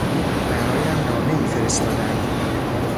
برایم نامهای فرستادند.